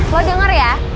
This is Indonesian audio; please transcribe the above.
lo denger ya